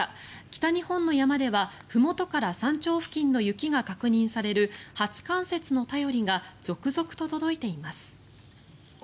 北日本の山ではふもとから山頂付近の雪が確認される初冠雪の便りが続々と届いています。